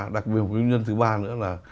đặc biệt một cái nhân dân thứ ba nữa là